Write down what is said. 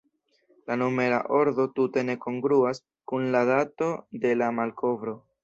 La numera ordo tute ne kongruas kun la dato de la malkovro.